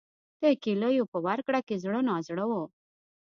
د کیلیو په ورکړه کې زړه نازړه و.